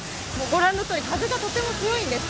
ご覧のとおり風がとても強いんです。